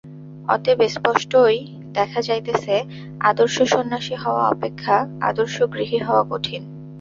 অতএব স্পষ্টই দেখা যাইতেছে, আদর্শ সন্ন্যাসী হওয়া অপেক্ষা আদর্শ গৃহী হওয়া কঠিন।